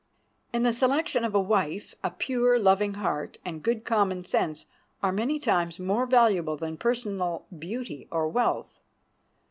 In the selection of a wife a pure, loving heart and good common sense are many times more valuable than personal beauty or wealth.